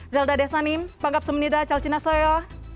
zelda desanim panggap semenida calcinasoyo